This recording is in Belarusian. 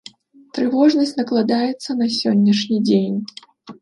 Трывожнасць накладаецца на сённяшні дзень.